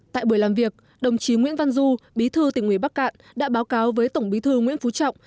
tại buổi làm việc đồng chí nguyễn văn du bí thư tỉnh ủy bắc cạn đã báo cáo với tổng bí thư nguyễn phú trọng